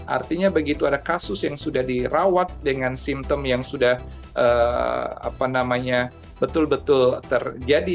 artinya begitu ada kasus yang sudah dirawat dengan simptom yang sudah betul betul terjadi